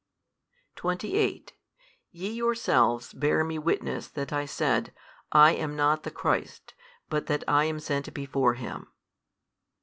28 Ye yourselves bear me witness that I said, I am not the Christ, but that I am sent before Him.